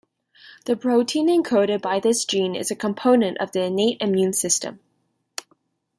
The protein encoded by this gene is a component of the innate immune system.